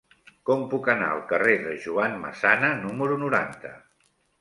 Com puc anar al carrer de Joan Massana número noranta?